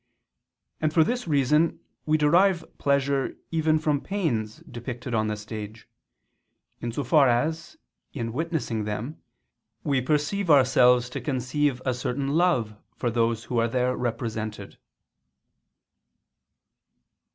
And, for this reason, we derive pleasure even from pains depicted on the stage: in so far as, in witnessing them, we perceive ourselves to conceive a certain love for those who are there represented.